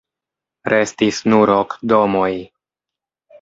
Restis nur ok domoj.